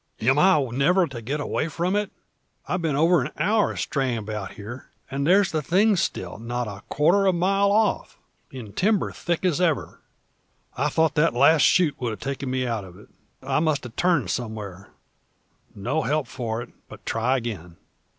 "Am I never to get away from it? I've been over an hour straying about here, and there's the thing still not a quarter of a mile off, and timber thick as ever. I thought that last shoot would have taken me out of it. I must have turned somewhere. No help for it, but try again."